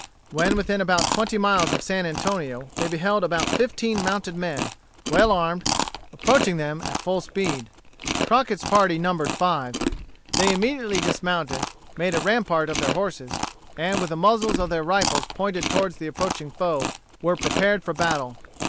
When within about twenty miles of San Antonio, they beheld about fifteen mounted men, well armed, approaching them at full speed. Crockett's party numbered five. They immediately dismounted, made a rampart of their horses, and with the muzzles of their rifles pointed toward the approaching foe, were prepared for battle.